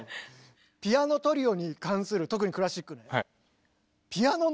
ピアノトリオに関する特にクラシックね。